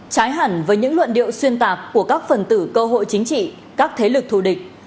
trái hẳn với những luận điệu xuyên tạp của các phần tử cơ hội chính trị các thế lực thù địch